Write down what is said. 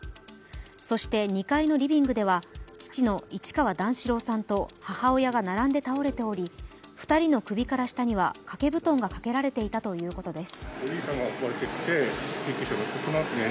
そして２階のリビングでは父の市川段四郎さんと母親が並んで倒れており２人の首から下には掛け布団が掛けられていたということです。